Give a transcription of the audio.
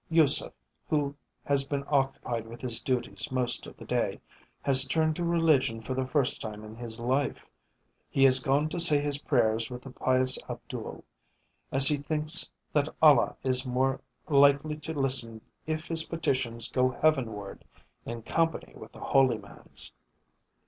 Yusef, who has been occupied with his duties most of the day, has turned to religion for the first time in his life, he has gone to say his prayers with the pious Abdul, as he thinks that Allah is more likely to listen if his petitions go heavenward in company with the holy man's."